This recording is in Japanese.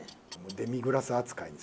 デミグラス扱いに。